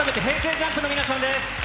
ＪＵＭＰの皆さんです。